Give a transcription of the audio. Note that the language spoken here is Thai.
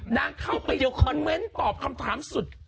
นางเข้าไปเดียวคอนเม้นตอบคำถามสุด